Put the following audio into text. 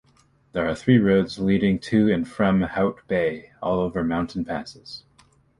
There are three roads leading to and from Hout Bay, all over mountain passes.